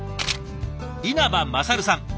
稲葉勝さん。